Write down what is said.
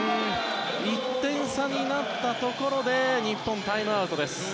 １点差になったところで日本、タイムアウトです。